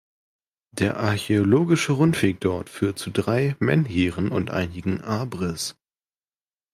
Der archäologische Rundweg, dort führt zu drei Menhiren und einigen Abris.